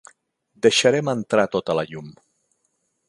Deixarem entrar tota la llum.